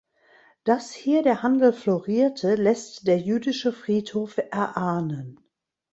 Dass hier der Handel florierte, lässt der jüdische Friedhof erahnen.